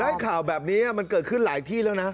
ให้ข่าวแบบนี้มันเกิดขึ้นหลายที่แล้วนะ